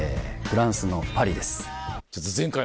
フランスのパリです。